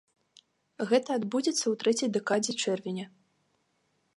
Гэта адбудзецца у трэцяй дэкадзе чэрвеня.